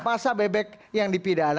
pasal bebek yang dipidana